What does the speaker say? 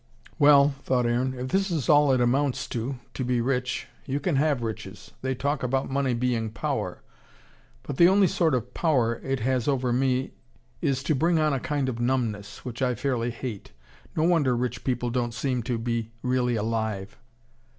"Well," thought Aaron, "if this is all it amounts to, to be rich, you can have riches. They talk about money being power. But the only sort of power it has over me is to bring on a kind of numbness, which I fairly hate. No wonder rich people don't seem to be really alive."